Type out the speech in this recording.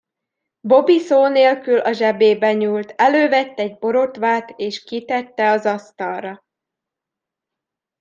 Bobby szó nélkül a zsebébe nyúlt, elővett egy borotvát és kitette az asztalra.